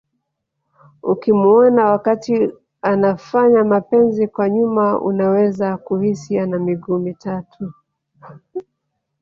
Ukimuona wakati anafanya mapenzi kwa nyuma unaweza kuhisi ana miguu mitatu